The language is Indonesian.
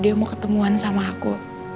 dia mau ketemuan sama aku